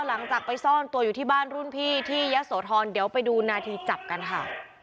หลังจากไปซ่อนตัวอยู่ที่บ้านรุ่นพี่ที่ยะโสธรเดี๋ยวไปดูนาทีจับกันค่ะ